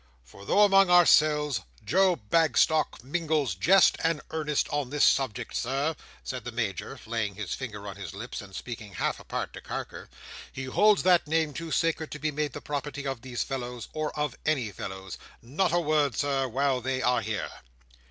"For though among ourselves, Joe Bagstock mingles jest and earnest on this subject, Sir," said the Major, laying his finger on his lips, and speaking half apart to Carker, "he holds that name too sacred to be made the property of these fellows, or of any fellows. Not a word, Sir, while they are here!"